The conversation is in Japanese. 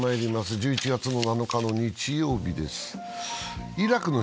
１１月７日の日曜日です。